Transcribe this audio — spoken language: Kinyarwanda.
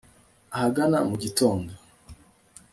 ahagana mu gitondo